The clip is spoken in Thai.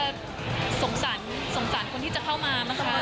น่าจะสงสัญสงสัญคนที่จะเข้ามานะคะ